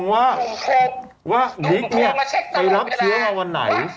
ว่าบิ๊กเนี่ยไปรับเชื้อมาวันไหน